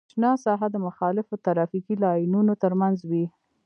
شنه ساحه د مخالفو ترافیکي لاینونو ترمنځ وي